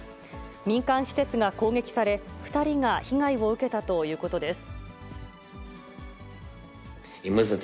民間施設が攻撃され、２人が被害を受けたということです。